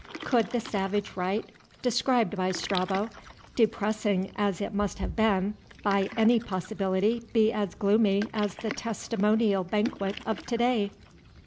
Could the savage rite, described by Strabo, depressing as it must have been, by any possibility be as gloomy as the Testimonial Banquet of today?